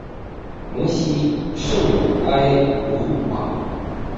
蒙希圣埃卢瓦。